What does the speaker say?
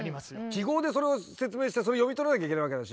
記号でそれを説明してそれ読み取らなきゃいけないわけだし。